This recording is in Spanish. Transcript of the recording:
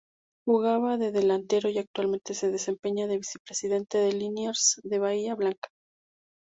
Jugaba de delantero y actualmente se desempeña de vicepresidente de Liniers de Bahía Blanca.